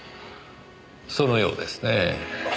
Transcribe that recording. そのようですねぇ。